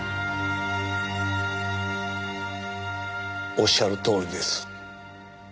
おっしゃるとおりです。